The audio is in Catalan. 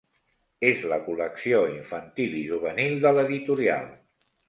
És la col·lecció infantil i juvenil de l'editorial.